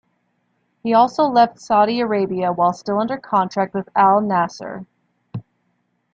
He also left Saudi Arabia while still under contract with Al Nassr.